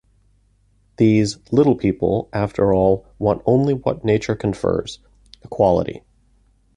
These "little people", after all, want only what nature confers: equality.